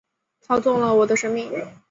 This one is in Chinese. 操纵了我的生命